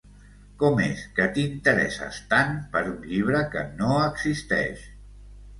Com és que t'interesses tant per un llibre que no existeix?